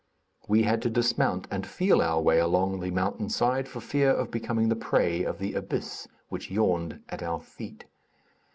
We had to dismount and feel our way along the mountain side, for fear of becoming the prey of the abyss which yawned at our feet.